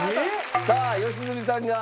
さあ良純さんが。